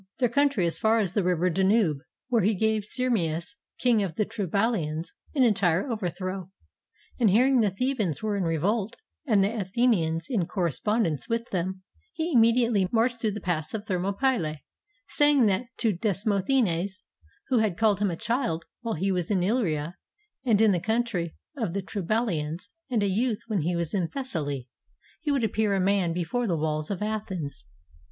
189 GREECE their country as far as the river Danube, where he gave Syrmus, King of the TribalHans, an entire overthrow. And hearing the Thebans were in revolt, and the Athe nians in correspondence with them, he immediately marched through the pass of Thermopylae, saying that to Demosthenes, who had called him a child while he was in Illyria and in the country of the Triballians, and a youth when he was in Thessaly, he would appear a man before the walls of Athens.